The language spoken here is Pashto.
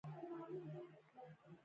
دغه درد دې په رګونو کې بهیږي